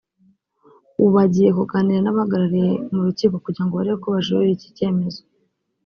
ubu bagiye kuganira n’ababahagarariye mu Rukiko kugira ngo barebe ko bajuririra iki cyemezo